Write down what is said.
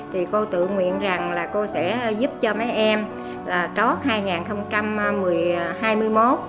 thì cô tự nguyện rằng là cô sẽ giúp cho mấy em là trót hai nghìn hai mươi một